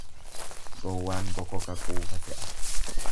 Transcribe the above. Gowwaan bokoka quufa se'a.